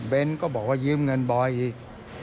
ก็บอกว่ายืมเงินบ่อยอีก